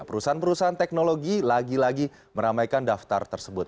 perusahaan perusahaan teknologi lagi lagi meramaikan daftar tersebut